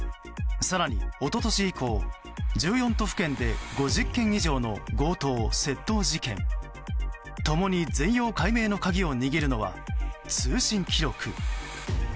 更に、一昨年以降１４都府県で５０件以上の強盗・窃盗事件。共に全容解明の鍵を握るのは通信記録。